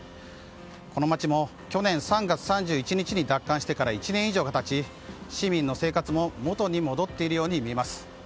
この街も去年３月３１日に奪還してから１年以上が経ち、市民の生活も元に戻っているように見えます。